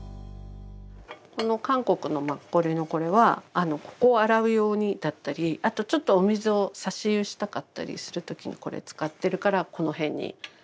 この韓国のマッコリのこれはここを洗う用にだったりあとちょっとお水をさし湯したかったりする時にこれ使ってるからこの辺にあるとか。